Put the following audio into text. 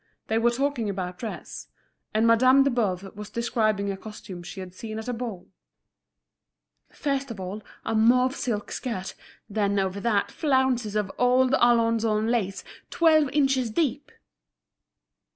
They were talking about dress, and Madame de Boves was describing a costume she had seen at a ball. "First of all, a mauve silk skirt, then over that flounces of old Alençon lace, twelve inches deep."